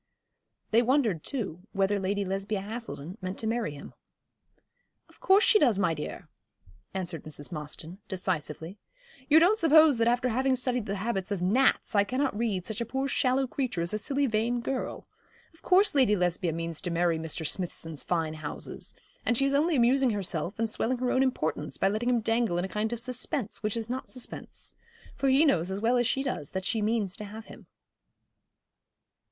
They wondered, too, whether Lady Lesbia Haselden meant to marry him. 'Of course she does, my dear,' answered Mrs. Mostyn, decisively. 'You don't suppose that after having studied the habits of gnats I cannot read such a poor shallow creature as a silly vain girl. Of course Lady Lesbia means to marry Mr. Smithson's fine houses; and she is only amusing herself and swelling her own importance by letting him dangle in a kind of suspense which is not suspense; for he knows as well as she does that she means to have him.'